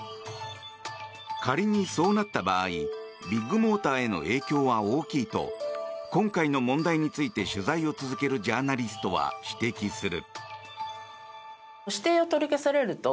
仮にそうなった場合ビッグモーターへの影響は大きいと今回の問題について取材を続けるジャーナリストは指摘する。